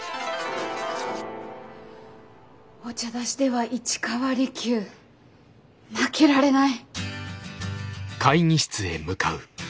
お茶出しでは市川利休負けられない。